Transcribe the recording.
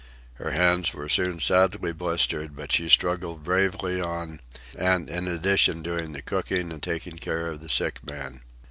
Her hands were soon sadly blistered, but she struggled bravely on, and in addition doing the cooking and taking care of the sick man.